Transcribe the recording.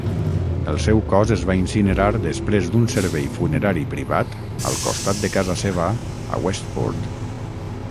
El seu cos es va incinerar després d'un servei funerari privat al costat de casa seva a Westport.